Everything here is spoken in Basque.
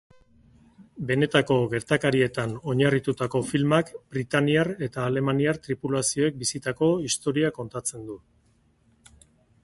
Benetako gertakarietan oinarritutako filmak britainiar eta alemaniar tripulazioek bizitako istorioa kontatzen du.